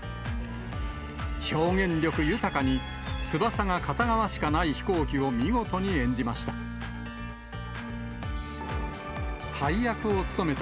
表現力豊かに、翼が片側しかない飛行機を見事に演じました。